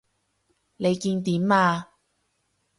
你見點啊？